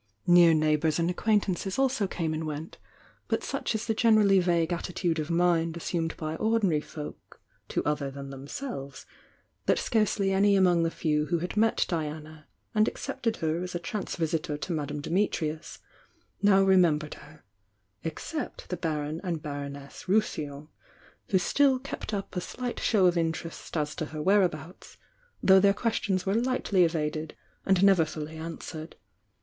Near neighbours and THE YOUNG DIANA 290 acquaintances also came and went, but such is the generally vague attitude of mind assumed by ordi nary folk to other than themselves, that scarcely any among the few who had met Diana and accepted her as a ch.inre visitor to Madame Dimitrius, now remembered her, except the Baron and Baroness de Rousillon, who still kept up a slipht show of interest as to her wliereabouts, thouRh their questions were liRhtly evaded and never fully imswcrcd.